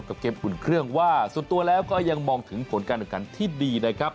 ในการเจอกับเกมอุ่นเครื่องว่าส่วนตัวแล้วก็ยังมองถึงผลการอาการที่ดีนะครับ